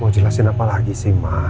mau jelasin apa lagi sih mas